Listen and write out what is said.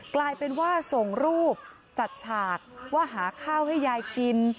กลายเป็นว่าส่งรูปจัดฉากว่าหาข้าวให้ยายกิน